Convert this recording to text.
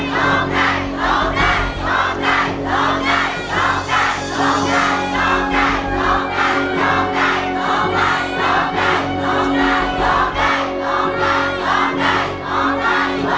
โทษใจโทษใจโทษใจโทษใจ